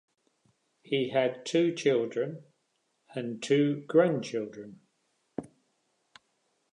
He had two children and two grandchildren.